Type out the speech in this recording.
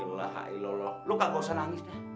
alah aloh lo kagak usah nangis dah